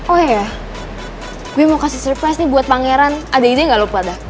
oh iya gue mau kasih surprise nih buat pangeran ada ide gak lo pada